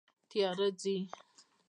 تیاره ځي